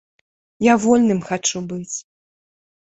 Я вольным хачу быць.